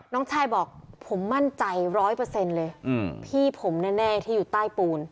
น้องชายบอกผมมั่นใจร้อยเปอร์เซ็นต์เลยพี่ผมแน่ที่อยู่ใต้ปูน